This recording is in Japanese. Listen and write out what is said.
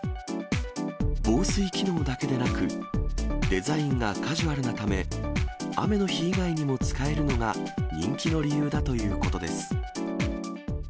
防水機能だけでなく、デザインがカジュアルなため、雨の日以外にも使えるのが人気の理由だということです。